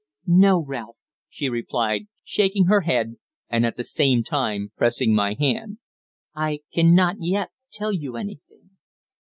"No, Ralph," she replied, shaking her head, and at the same time pressing my hand. "I cannot yet tell you anything."